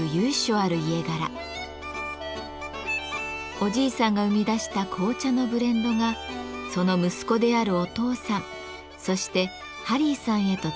おじいさんが生み出した紅茶のブレンドがその息子であるお父さんそしてハリーさんへと伝えられています。